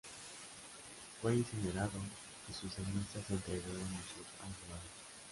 Fue incinerado, y sus cenizas se entregaron a sus allegados.